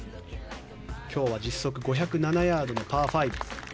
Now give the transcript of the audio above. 今日は実測５０７ヤードのパー５。